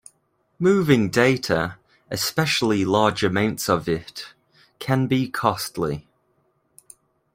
Moving data, especially large amounts of it, can be costly.